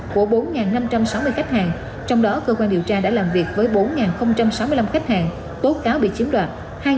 của bốn năm trăm sáu mươi khách hàng trong đó cơ quan điều tra đã làm việc với bốn sáu mươi năm khách hàng tố cáo bị chiếm đoạt